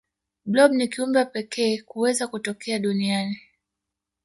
blob ni kiumbe wa pekee kuweza kutokea duniani